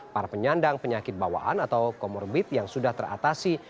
para penyandang penyakit bawaan atau comorbid yang sudah teratasi